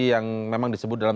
yang memang disebut dalam